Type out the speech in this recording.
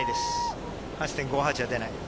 ８．５８は出ない。